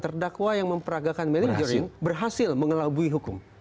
terdakwa yang memperagakan meling berhasil mengelabui hukum